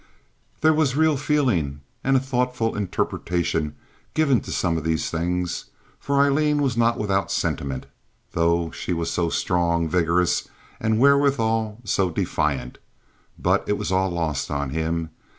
There was real feeling and a thoughtful interpretation given to some of these things, for Aileen was not without sentiment, though she was so strong, vigorous, and withal so defiant; but it was all lost on him.